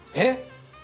えっ！